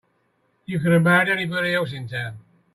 You could have married anybody else in town.